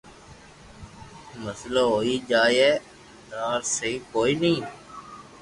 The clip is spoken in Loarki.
مسئلو ھوئي جائين ٽار سھي ڪوئي ني